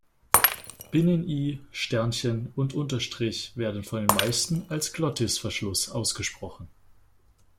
Binnen-I, Sternchen und Unterstrich werden von den meisten als Glottisverschluss ausgesprochen.